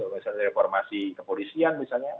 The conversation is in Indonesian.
misalnya reformasi kepolisian misalnya